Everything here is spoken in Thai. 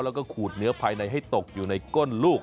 แล้วก็ขูดเนื้อภายในให้ตกอยู่ในก้นลูก